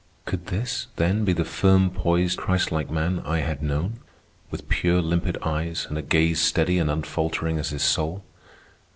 Could this, then, be the firm poised, Christ like man I had known, with pure, limpid eyes and a gaze steady and unfaltering as his soul?